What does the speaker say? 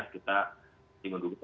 kita masih mendukung